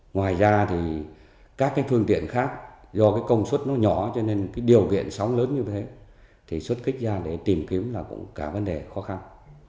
ngoài ra thì các cái phương tiện khác do cái công suất nó nhỏ cho nên cái điều kiện sóng lớn như thế thì xuất kích ra để tìm kiếm là cũng cả vấn đề khó khăn